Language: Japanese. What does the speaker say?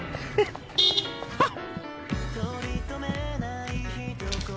あっ！